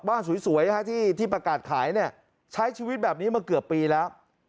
สวยที่ประกาศขายใช้ชีวิตแบบนี้มาเกือบปีแล้ว